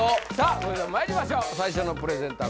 それではまいりましょう最初のプレゼンター